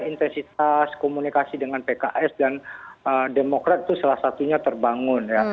intensitas komunikasi dengan pks dan demokrat itu salah satunya terbangun ya